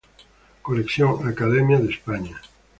Colección Academia de España.